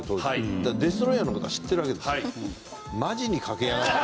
だからデストロイヤーの事は知ってるわけですよ。